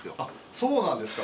そうなんですか。